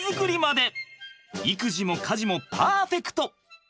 育児も家事もパーフェクト！